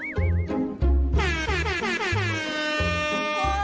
มีคู่แข่งเรื่องของโชคลาภแต่อย่างใด